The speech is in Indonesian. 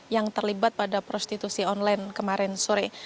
yang terlibat pada prostitusi online kemarin sore